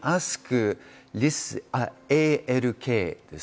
ＡＬＫです。